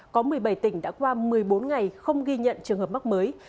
có một mươi bảy tỉnh đã qua một mươi bốn ngày không ghi nhận trường hợp mắc mới